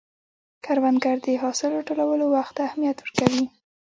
کروندګر د حاصل راټولولو وخت ته اهمیت ورکوي